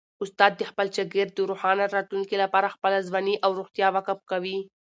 استاد د خپل شاګرد د روښانه راتلونکي لپاره خپله ځواني او روغتیا وقف کوي.